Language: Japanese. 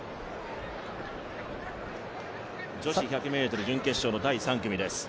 女子１００ｍ準決勝の第３組です